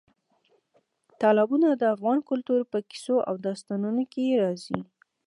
تالابونه د افغان کلتور په کیسو او داستانونو کې دي.